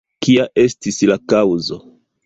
Kia estis la kaŭzo?